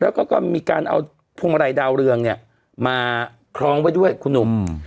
แล้วก็มีการเอาพวงมาลัยดาวเรืองเนี่ยมาคล้องไว้ด้วยคุณหนุ่ม